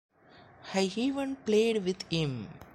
I even played with him.